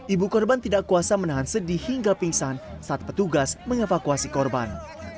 ibu korban tidak kuasa menahan sedih hingga pingsan saat petugas mengevakuasi korban